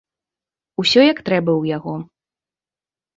Усё як трэба ў яго.